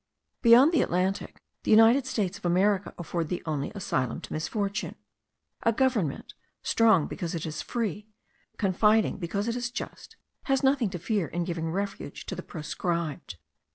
Beyond the Atlantic, the United States of America afford the only asylum to misfortune. A government, strong because it is free, confiding because it is just, has nothing to fear in giving refuge to the proscribed.